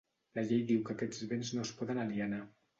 La llei diu que aquests béns no es poden alienar.